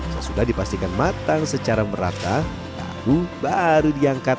sesudah dipastikan matang secara merata tahu baru diangkat